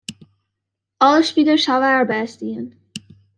Alle spilers hawwe har bêst dien.